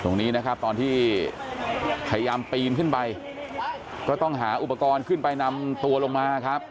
ตรงนี้นะครับตอนที่พยายามปีนขึ้นไปก็ต้องหาอุปกรณ์ขึ้นไปนำตัวลงมาครับ